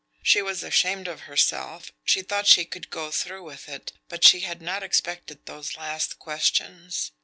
She was ashamed of herself; she thought she could go through with it, but she had not expected those last questions.